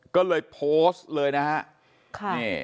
ก็เลยโพสต์เลยนะครับ